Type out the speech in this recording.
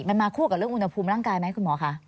มันมาคู่กับเรื่องอุณหภูมิร่างกายไหมคุณหมอค่ะ